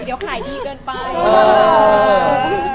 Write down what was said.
พี่เต๋าขายดีเกินไป